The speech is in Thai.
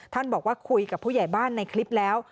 บอกว่าคุยกับผู้ใหญ่บ้านในคลิปแล้ว